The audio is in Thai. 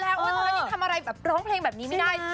แล้วตอนนี้ทำอะไรแบบร้องเพลงแบบนี้ไม่ได้